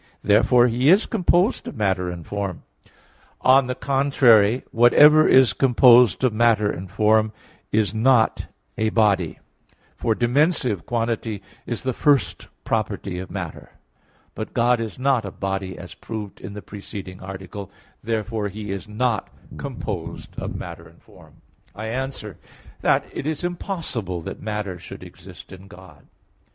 Therefore He is composed of matter and form. On the contrary, Whatever is composed of matter and form is a body; for dimensive quantity is the first property of matter. But God is not a body as proved in the preceding Article; therefore He is not composed of matter and form. I answer that, It is impossible that matter should exist in God.